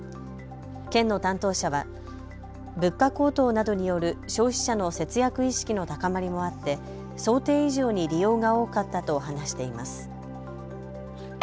県の担当者は物価高騰などによる消費者の節約意識の高まりもあって想定以上に利用が多かったと話しています。